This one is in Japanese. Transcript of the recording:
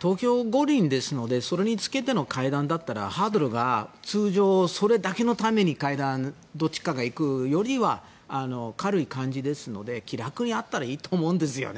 東京五輪なのでそれにつけての会談だったらハードルが通常それだけのために会談を、どちらかが行くよりは軽い感じですので気楽にやったらいいと思うんですよね。